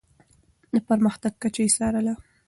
د پرمختګ کچه يې څارله.